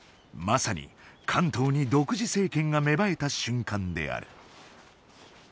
まさに関東に独自政権が芽生えた瞬間である。